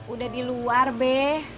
udah di luar be